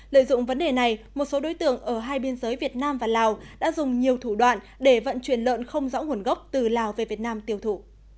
lợi dụng vấn đề này một số đối tượng ở hai biên giới việt nam và lào đã dùng nhiều thủ đoạn để vận chuyển lợn không rõ nguồn gốc từ lào về việt nam tiêu thụ